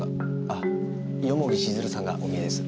あ蓬城静流さんがお見えです。